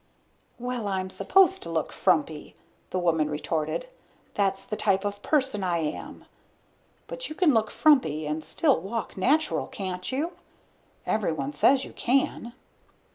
"Well, I'm supposed to look frumpy," the woman retorted. "That's the type of person I am. But you can look frumpy and still walk natural, can't you? Everyone says you can."